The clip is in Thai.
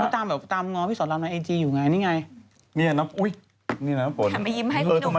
ทำไมยิ้มไหมคุณหนุ่ม